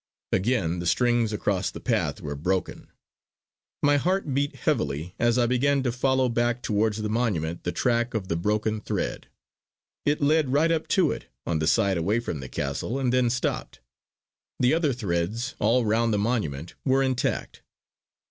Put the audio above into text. Again the strings across the path were broken. My heart beat heavily as I began to follow back towards the monument the track of the broken thread. It led right up to it, on the side away from the castle, and then stopped. The other threads all round the monument were intact.